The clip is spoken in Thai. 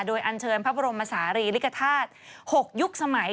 โดยอันเชิญพระบรมศาลีริกษาศาสตร์๖ยุคสมัย